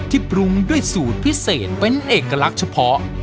ปรุงด้วยสูตรพิเศษเป็นเอกลักษณ์เฉพาะ